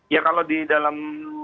jadi kalau di dalam